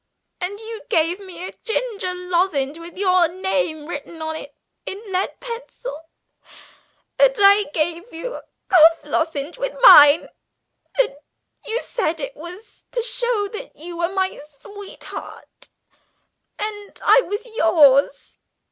And you gave me a ginger lozenge with your name written on it in lead pencil, and I gave you a cough lozenge with mine; and you said it was to show that you were my sweetheart and I was yours.